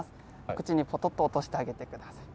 口にポトッと落としてあげて下さい。